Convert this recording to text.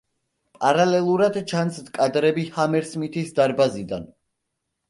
პარალელურად ჩანს კადრები ჰამერსმითის დარბაზიდან.